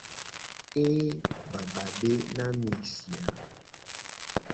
Eeeeee baba na mi si a.